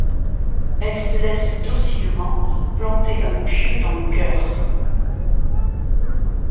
Elle se laisse docilement planter un pieu dans le cœur.